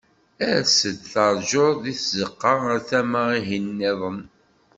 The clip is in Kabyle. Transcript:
Ers-d, terǧuḍ di tzeqqa ar tama-ihin-nniḍen.